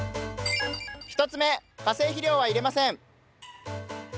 １つ目化成肥料は入れません。